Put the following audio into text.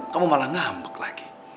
kamu malah ngambek lagi